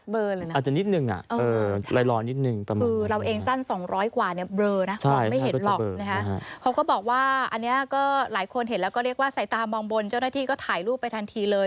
เบลอเลยนะอาจจะนิดนึงน่ะรายลอนนิดนึง